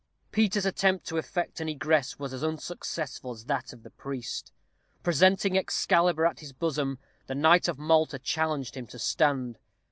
Peter's attempt to effect an egress was as unsuccessful as that of the priest. Presenting Excalibur at his bosom, the knight of Malta challenged him to stand.